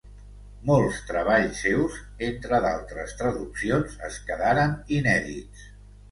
Molts treballs seus, entra d'altres traduccions, es quedaren inèdits.